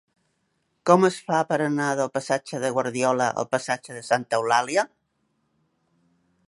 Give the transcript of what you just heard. Com es fa per anar del passatge de Guardiola al passatge de Santa Eulàlia?